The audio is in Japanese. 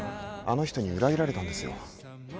あの人に裏切られたんですよ。